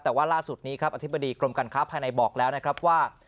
แต่ว่าล่าสุดนี้ครับอธิบดีกรมการค้าภายในบอกแล้วนะครับว่า